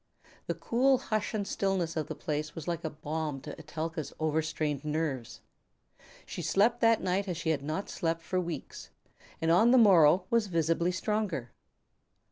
The cool hush and stillness of the place was like a balm to Etelka's overstrained nerves. She slept that night as she had not slept for weeks, and on the morrow was visibly stronger.